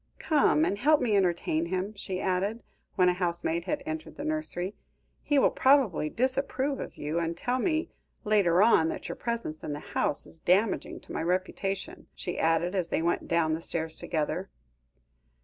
Come and help me entertain him," she added, when a housemaid had entered the nursery; "he will probably disapprove of you, and tell me later on that your presence in the house is damaging to my reputation," she added as they went down the stairs together.